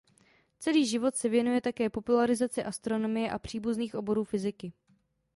Celý život se věnuje také popularizaci astronomie a příbuzných oborů fyziky.